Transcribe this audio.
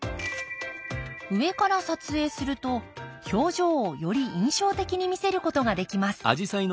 上から撮影すると表情をより印象的に見せることができます。